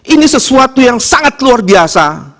ini sesuatu yang sangat luar biasa